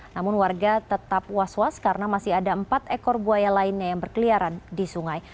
namun warga tetap was was karena masih ada empat ekor buaya lainnya yang berkeliaran di sungai